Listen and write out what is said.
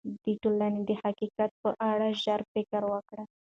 د ټولنې د حقیقت په اړه ژور فکر وکړئ.